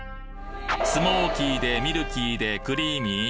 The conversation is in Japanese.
「スモーキーで、ミルキーで、クリーミー！？